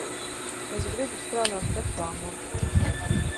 Es gribu strādāt reklāmā.